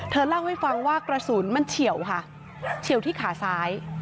เล่าให้ฟังว่ากระสุนมันเฉียวค่ะเฉียวที่ขาซ้าย